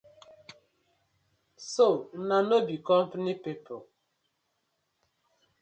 So una no be compani people?